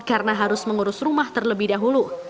karena harus mengurus rumah terlebih dahulu